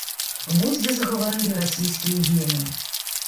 Вось дзе загаварылі расійскія гены!